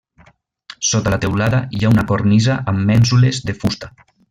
Sota la teulada hi ha una cornisa amb mènsules de fusta.